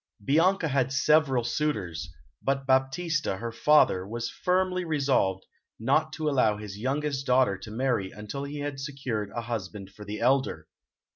Bianca had several suitors, but Baptista, her father, was firmly resolved not to allow his youngest daughter to marry until he had secured a husband for the elder.